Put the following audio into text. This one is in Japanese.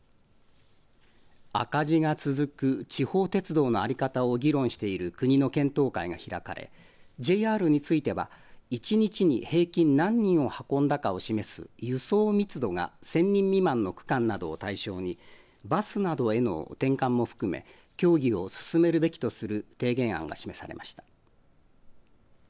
赤字が続く地方鉄道の在り方を議論している国の検討会が開かれＪＲについては一日に平均何人を運んだかを示す輸送密度が１０００人未満の区間などを対象にバスなどへの転換も含め協議を進めるべきとする提言案が示されました。